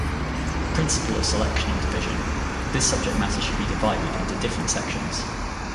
Principle of selection and division: This subject matter should be divided into different sections.